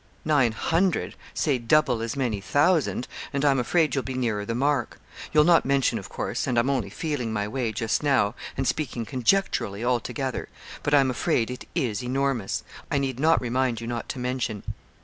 'Nine hundred say double as many thousand, and I'm afraid you'll be nearer the mark. You'll not mention, of course, and I'm only feeling my way just now, and speaking conjecturally altogether; but I'm afraid it is enormous. I need not remind you not to mention.'